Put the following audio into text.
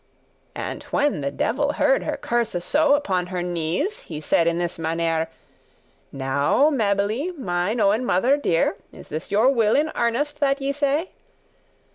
And when the devil heard her curse so Upon her knees, he said in this mannere; "Now, Mabily, mine owen mother dear, Is this your will in earnest that ye say?"